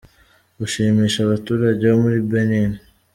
Gushimisha abaturage bo muri Benin.